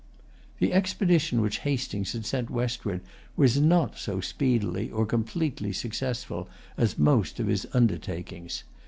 The expedition which Hastings had sent westward was not so speedily or completely successful as most of his undertakings.